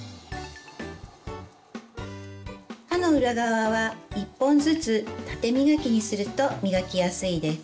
歯の裏側は１本ずつ縦磨きにすると磨きやすいです。